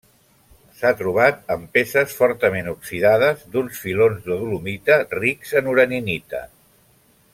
S'ha trobat en peces fortament oxidades d'uns filons de dolomita rics en uraninita.